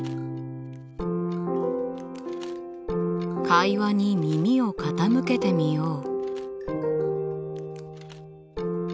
会話に耳を傾けてみよう。